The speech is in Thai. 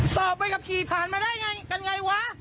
สอบใบขับขี่ผ่านมาได้ไงกันไงวะ